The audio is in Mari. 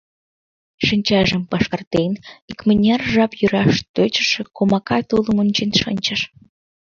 Шинчажым пашкартен, икмыняр жап йӧраш тӧчышӧ комака тулым ончен шинчыш.